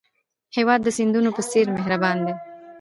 هېواد د سیندونو په څېر مهربان دی.